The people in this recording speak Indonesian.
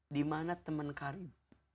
dimana teman karib